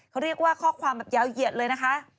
เขาเรียกว่าข้อความแบบยาวเหยียดเลยนะคะ